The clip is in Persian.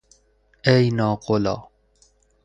ای ناقلا!